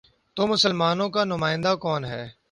تو مسلمانوں کا نمائندہ کون ہے؟